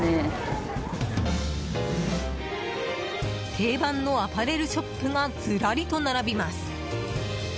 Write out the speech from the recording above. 定番のアパレルショップがずらりと並びます。